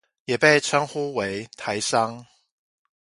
也被稱呼為台商